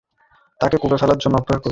তাকে কূপে ফেলার জন্য অপেক্ষা করছি।